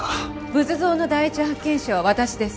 仏像の第一発見者は私です。